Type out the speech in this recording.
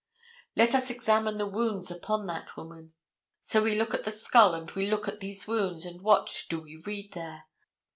Let us examine the wounds upon that woman. So we look at the skull and we look at these wounds, and what do we read there?